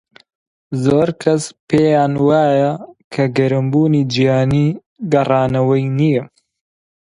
زۆر کەس پێیان وایە کە گەرمبوونی جیهانی گەڕانەوەی نییە.